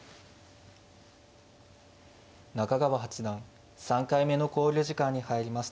中川八段３回目の考慮時間に入りました。